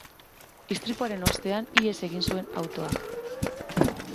Istripuaren ostean, ihes egin zuen autoak.